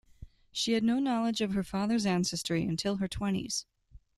She had no knowledge of her father's ancestry until her twenties.